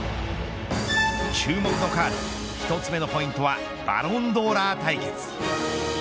注目のカード１つめのポイントはバロンドーラー対決。